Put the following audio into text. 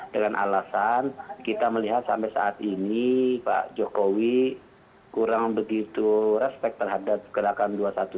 dengan alasan kita melihat sampai saat ini pak jokowi kurang begitu respect terhadap gerakan dua ratus dua belas